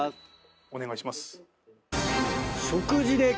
お願いします。